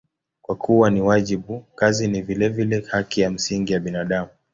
Kwa kuwa ni wajibu, kazi ni vilevile haki ya msingi ya binadamu.